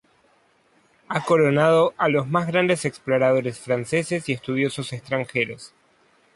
Ha coronado a los más grandes exploradores franceses y estudiosos extranjeros.